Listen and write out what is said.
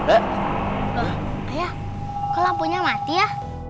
loh ayah kok lampunya mati ya